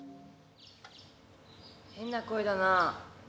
変な声だな。